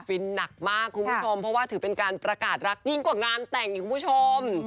หนักมากคุณผู้ชมเพราะว่าถือเป็นการประกาศรักยิ่งกว่างานแต่งอีกคุณผู้ชม